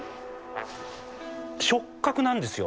触角なんですよ。